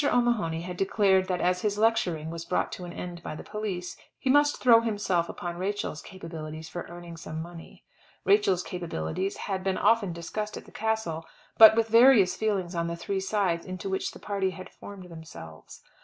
O'Mahony had declared that as his lecturing was brought to an end by the police, he must throw himself upon Rachel's capabilities for earning some money. Rachel's capabilities had been often discussed at the Castle, but with various feelings on the three sides into which the party had formed themselves.